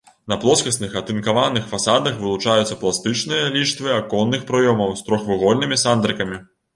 На плоскасных атынкаваных фасадах вылучаюцца пластычныя ліштвы аконных праёмаў з трохвугольнымі сандрыкамі.